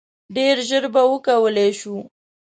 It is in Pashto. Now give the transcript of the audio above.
ډیر ژر به وکولای شو.